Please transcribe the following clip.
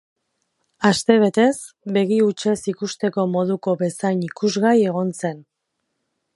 Aste betez begi hutsez ikusteko moduko bezain ikusgai egon zen.